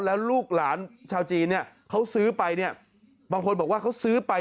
แล้วลูกหลานชาวจีนเขาซื้อไปบางคนบอกว่าเขาซื้อไป